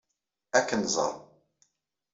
Ad ken-nẓer.